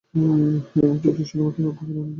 এবং চুপচাপ, শুধুমাত্র গোপনে আমন্ত্রণ জানানো হচ্ছে।